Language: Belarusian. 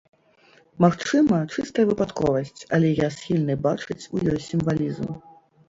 Магчыма, чыстая выпадковасць, але я схільны бачыць у ёй сімвалізм.